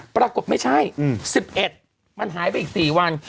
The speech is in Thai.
ปรากฏไม่ใช่๑๑มันหายไปอีก๔วัน